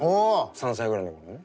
３歳ぐらいの頃ね。